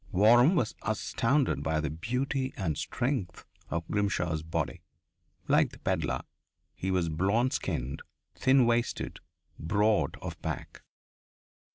Waram was astounded by the beauty and strength of Grimshaw's body. Like the pedlar, he was blonde skinned, thin waisted, broad of back.